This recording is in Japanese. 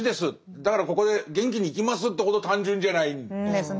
だからここで元気に生きますというほど単純じゃない。ですね。